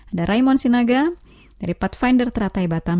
ada raymond sinaga dari pathfinder teratai batam